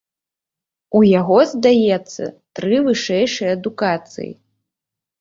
У яго, здаецца, тры вышэйшыя адукацыі.